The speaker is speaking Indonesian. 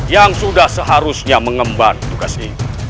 yang sudah seharusnya mengemban tugas ini